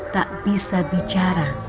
tak bisa bicara